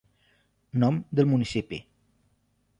Nom del municipi.